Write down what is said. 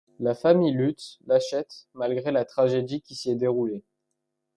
La famille Lutz l'achète, malgré la tragédie qui s'y est déroulée.